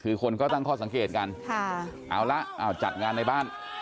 คือคนก็ตั้งข้อสังเกตกันเอาละจัดงานในบ้าน